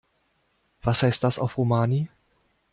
Was heißt das auf Romani?